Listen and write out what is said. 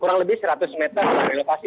kurang lebih seratus meter dari lokasi